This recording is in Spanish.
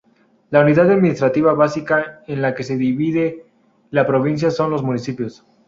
La unidad administrativa básica en la que se divide la provincia son los municipios.